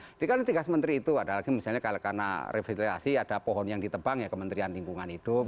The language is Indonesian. jadi kan tiga sementri itu misalnya karena revidualisasi ada pohon yang ditebang ya kementerian lingkungan hidup